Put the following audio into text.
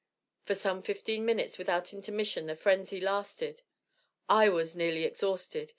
For some fifteen minutes without intermission the frenzy lasted. I was nearly exhausted.